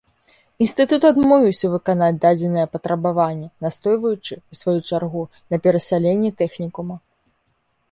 Інстытут адмовіўся выканаць дадзенае патрабаванне, настойваючы, у сваю чаргу, на перасяленні тэхнікума.